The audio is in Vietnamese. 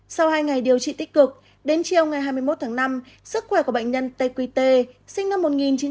sau hai ngày điều trị tích cực đến chiều ngày hai mươi một tháng năm sức khỏe của bệnh nhân tây quy tê sinh năm một nghìn chín trăm chín mươi ba